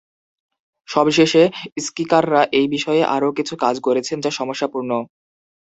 সবশেষে, স্কীকাররা এই বিষয়ে আরও কিছু কাজ করেছেন যা সমস্যাপূর্ণ।